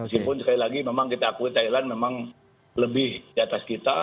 meskipun sekali lagi memang kita akui thailand memang lebih di atas kita